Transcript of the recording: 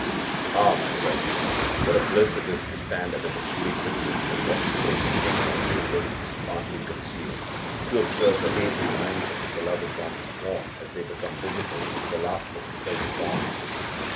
âAh, my friends! what a bliss it is, to stand at a discreet distance and watch the hidden pink and blue ribbons, partly concealed, to observe the hazy lines of the beloved one's form, as they become visible through the last of the filmy garments!